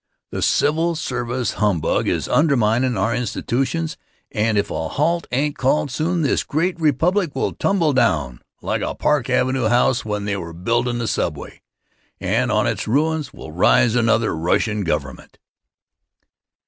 The civil service humbug is underminin' our institutions and if a halt ain't called soon this great republic will tumble down like a Park Avenue house when they were buildin' the subway, and on its ruins will rise another Russian government.